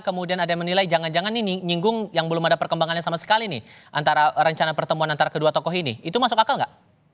kemudian ada yang menilai jangan jangan ini nyinggung yang belum ada perkembangannya sama sekali nih antara rencana pertemuan antara kedua tokoh ini itu masuk akal nggak